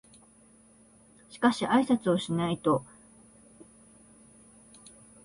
しかし挨拶をしないと険呑だと思ったから「吾輩は猫である。名前はまだない」となるべく平気を装って冷然と答えた